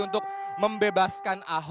untuk membunuhnya dan menembaknya